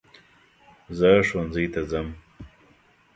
زه ښونځي ته ځم.